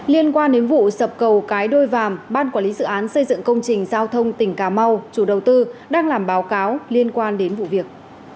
liên quan đến vụ sập cầu cái đôi vàm ban quản lý dự án xây dựng công trình giao thông tỉnh cà mau chủ đầu tư đang làm báo cáo liên quan đến vụ việc